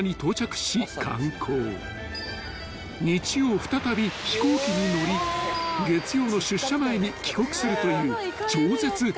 ［日曜再び飛行機に乗り月曜の出社前に帰国するという超絶ハードスケジュール］